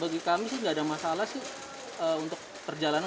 bagi kami sih tidak ada masalah sih untuk perjalanan